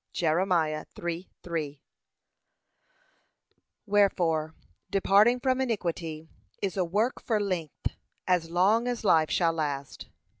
(Jer. 3:3) Wherefore, departing from iniquity is a work for length, as long as life shall last.